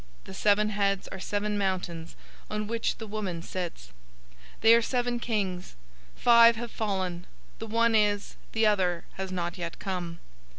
The seven heads are seven mountains, on which the woman sits. 017:010 They are seven kings. Five have fallen, the one is, the other has not yet come.